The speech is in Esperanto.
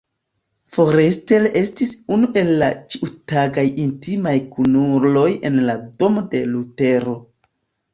Forster estis unu el la ĉiutagaj intimaj kunuloj en la domo de Lutero.